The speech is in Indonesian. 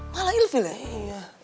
malah ilfil ya